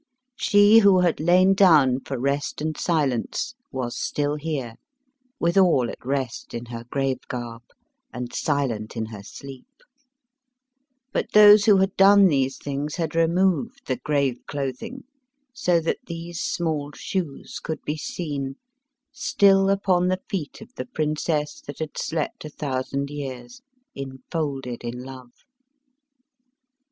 She who had lain down for rest and silence was still here, withal at rest in her grave garb, and silent in her sleep; but those who had done these things had removed the grave clothing so that these small shoes could be seen, still upon the feet of the princess that had slept a thousand years, enfolded in love.